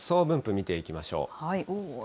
見ていきましょう。